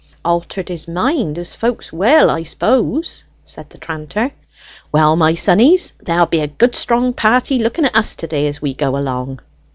"Altered his mind, as folks will, I suppose," said the tranter. "Well, my sonnies, there'll be a good strong party looking at us to day as we go along."